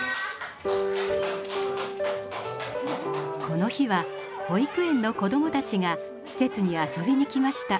この日は保育園の子供たちが施設に遊びに来ました。